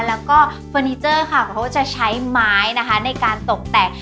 แล้วก็เฟอร์นิเจอร์ค่ะเขาก็จะใช้ไม้นะคะในการตกแต่ง